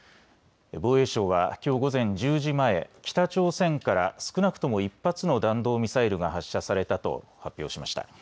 防衛省はきょう午前１０時前、北朝鮮から少なくとも１発の弾道ミサイルが発射されたと発表しました。